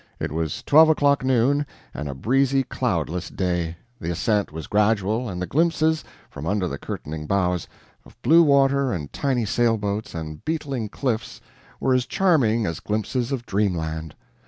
It was twelve o'clock noon, and a breezy, cloudless day; the ascent was gradual, and the glimpses, from under the curtaining boughs, of blue water, and tiny sailboats, and beetling cliffs, were as charming as glimpses of dreamland.